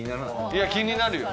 いや気になるよ。